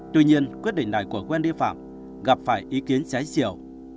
tuy nhiên quyết định này của wendy phạm gặp phải ý kiến cháy chiều